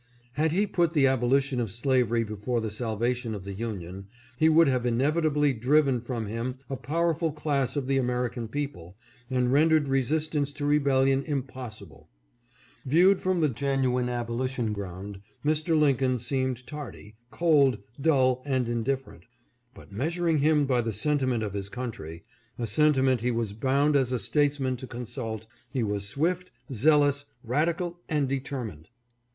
Had he put the abolition of slavery before the salvation of the Union, he would have inevitably driven from him a powerful class of the American people and rendered resistance to rebellion impossible. Viewed from the genuine abolition ground, Mr. Lincoln seemed tardy, cold, 594 TIME — THE IMPARTIAL JUDGE. dull, and indifferent ; but measuring him by the senti ment of his country, a sentiment he was bound as a statesman to consult, he was swift, zealous, radical, and determined.